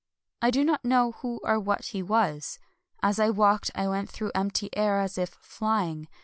I do not know who or what he was. As I walked I went through empty air as if flying.